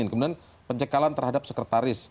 kemudian pencekalan terhadap sekretaris